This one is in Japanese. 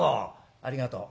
「ありがとう」。